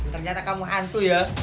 ternyata kamu hantu ya